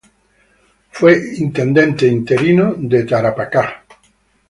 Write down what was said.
Fue Intendente interino de Tarapacá.